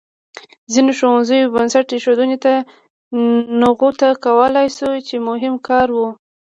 ځینو ښوونځیو بنسټ ایښودنې ته نغوته کولای شو چې مهم کار و.